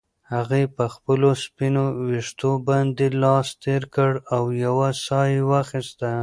هغې په خپلو سپینو ویښتو باندې لاس تېر کړ او یوه ساه یې واخیسته.